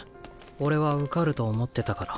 俺は受かると思ってたから。